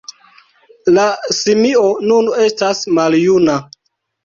La simio nun estas maljuna.